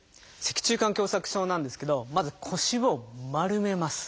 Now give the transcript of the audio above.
脊柱管狭窄症なんですけどまず腰を丸めます。